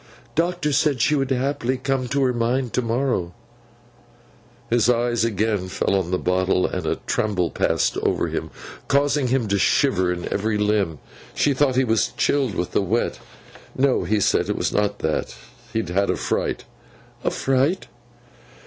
'Doctor said she would haply come to her mind to morrow.' His eyes fell again on the bottle, and a tremble passed over him, causing him to shiver in every limb. She thought he was chilled with the wet. 'No,' he said, 'it was not that. He had had a fright.' 'A fright?